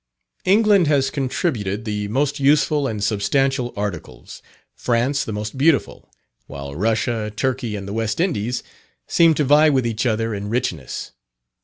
England has contributed the most useful and substantial articles; France, the most beautiful; while Russia, Turkey, and the West Indies, seem to vie with each other in richness.